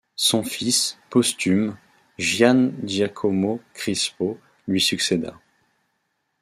Son fils, posthume, Gian Giacomo Crispo lui succéda.